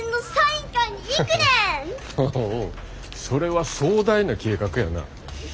それは壮大な計画やな。